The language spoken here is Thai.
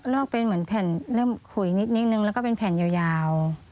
อกเป็นเหมือนแผ่นเริ่มขุยนิดนึงแล้วก็เป็นแผ่นยาว